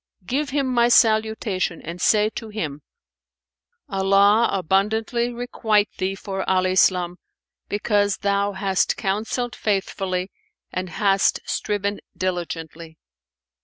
give him my salutation and say to him: 'Allah abundantly requite thee for Al Islam, because thou hast counselled faithfully and hast striven diligently.'"